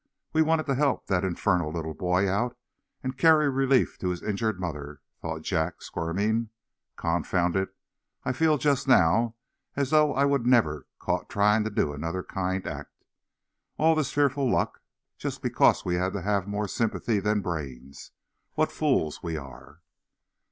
We wanted to help that infernal little boy out, and carry relief to his injured mother!" thought Jack, squirming. "Confound it, I feel, just now, as though I would never caught trying to do another kind act! All this fearful luck just because we had to have more sympathy than brains! What fools we are!"